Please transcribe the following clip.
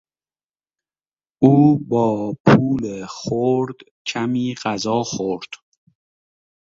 او با پول خرد کمی غذا خورد.